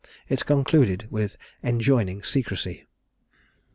It concluded with enjoining secrecy.